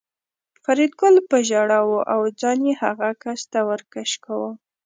فریدګل په ژړا و او ځان یې هغه کس ته ور کش کاوه